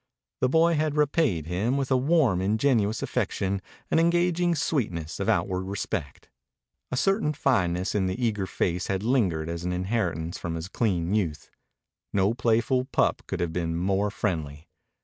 The boy had repaid him with a warm, ingenuous affection, an engaging sweetness of outward respect. A certain fineness in the eager face had lingered as an inheritance from his clean youth. No playful pup could have been more friendly.